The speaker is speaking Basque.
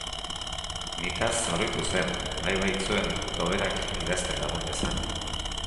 Nitaz oroitu zen nahi baitzuen toberak idazten lagun nezan.